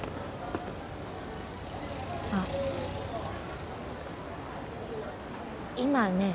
あっ今ね